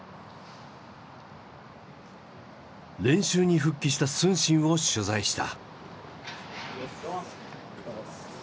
練習に復帰した承信を取材した。